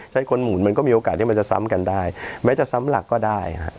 ถ้าคนหมุนมันก็มีโอกาสที่มันจะซ้ำกันได้แม้จะซ้ำหลักก็ได้ฮะ